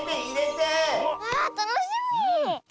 わあたのしみ！